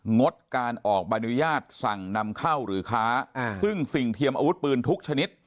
งดการออกใบอนุญาตสั่งนำเข้าหรือค้าซึ่งสิ่งเทียมอาวุธปืนทุกชนิด